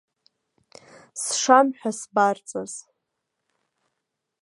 Сшам ҳәа сбарҵаз.